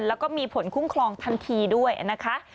แล้วก็มีผลคุ้มครองทันทีด้วยนะคะ